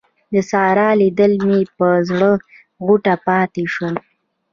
د سارا لیدل مې پر زړه غوټه پاته شول.